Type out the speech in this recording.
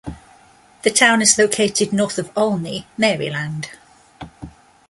The town is located north of Olney, Maryland.